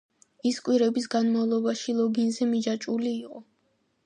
ის კვირების განმავლობაში ლოგინზე მიჯაჭვული იყო.